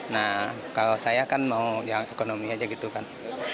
nah kalau saya kan mau yang ekonomi aja gitu kan